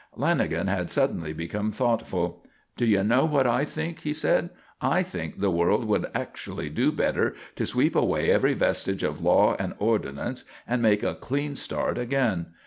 Lanagan had suddenly become thoughtful. "Do you know what I think?" he said. "I think the world would actually do better to sweep away every vestige of law and ordinance and make a clean start again.